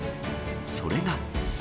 それが。